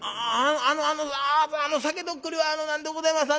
ああのあの酒徳利は何でございます